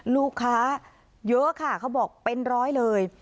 ลูกค้าเยอะค่ะเขาบอกเป็นร้อยเลย